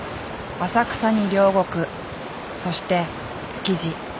浅草に両国そして築地。